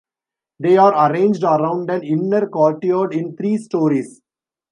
They are arranged around an inner courtyard in three storeys.